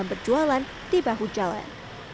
berjualan di bahu jalan